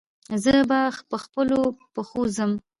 زه به پخپلو پښو ځم.